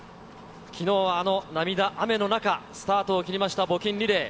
きのうはあの涙雨の中、スタートを切りました、募金リレー。